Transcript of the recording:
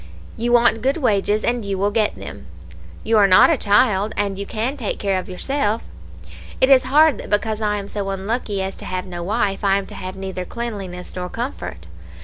You want good wages, and you will get them; you are not a child, and you can take care of yourself. It is hard that because I am so unlucky as to have no wife, I am to have neither cleanliness nor comfort.